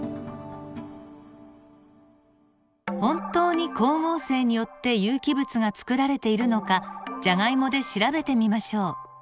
本当に光合成によって有機物がつくられているのかジャガイモで調べてみましょう。